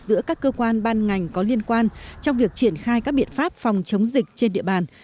giữa các cơ quan ban ngành có liên quan trong việc triển khai các biện pháp phòng chống dịch trên địa bàn